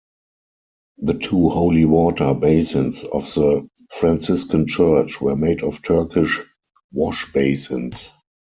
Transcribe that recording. The two holy-water basins of the Franciscan Church were made of Turkish washbasins.